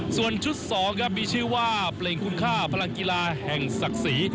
ส่วนชุด๒ครับมีชื่อว่าเพลงคุณค่าพลังกีฬาแห่งศักดิ์ศรี